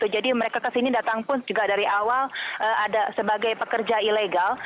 jadi mereka ke sini datang pun juga dari awal sebagai pekerja ilegal